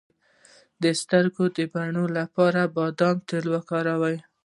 د سترګو د بڼو لپاره د بادام تېل وکاروئ